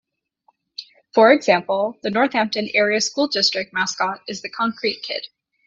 For example, the Northampton Area School District mascot is the Konkrete Kid.